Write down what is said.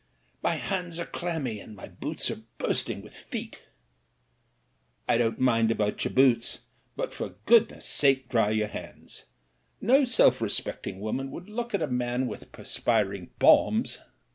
"My hands are clammy and my boots are bursting with feet." "I don't mind about your boots ; but for goodness* sake dry your hands. No self respecting woman would look at a man with perspiring palms."